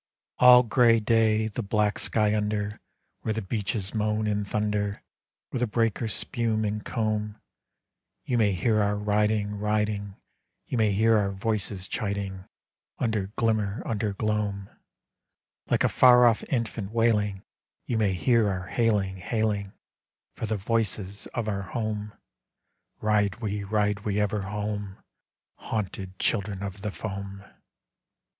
All gray day, the black sky under, Where the beaches moan and thunder, Where the breakers spume and comb, You may hear our riding, riding, You may hear our voices chiding, Under glimmer, under gloam; Like a far off infant wailing, You may hear our hailing, hailing, For the voices of our home; Ride we, ride we, ever home, Haunted children of the foam.